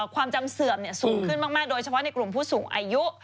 ความจำเสื่อมสูงขึ้นมากโดยเฉพาะในกลุ่มผู้สูงอายุ